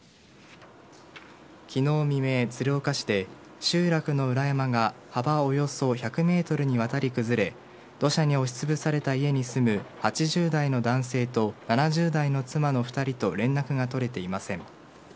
昨日未明、鶴岡市で集落の裏山が幅およそ１００ｍにわたり崩れ土砂に押し潰された家に住む８０代の男性と７０代の妻の２人と連絡が取れていません。